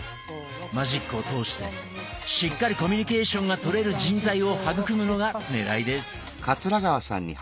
マジックを通してしっかりコミュニケーションが取れる人材を育むのがねらいです。